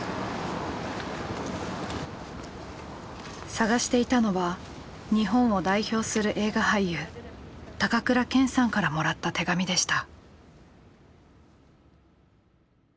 探していたのは日本を代表する映画俳優高倉健さんからもらった手紙でした。